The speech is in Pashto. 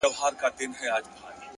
هر منزل د نوې زده کړې سرچینه ده،